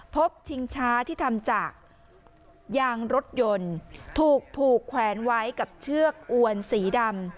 ชิงช้าที่ทำจากยางรถยนต์ถูกผูกแขวนไว้กับเชือกอวนสีดำ